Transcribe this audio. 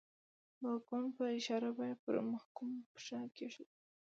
د واکمن په اشاره به یې پر محکوم پښه کېښوده.